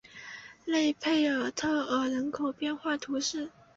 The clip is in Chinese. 勒佩尔特尔人口变化图示